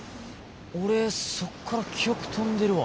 俺そっから記憶飛んでるわ。